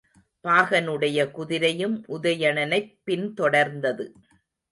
பாகனுடைய குதிரையும் உதயணனைப் பின் தொடர்ந்தது.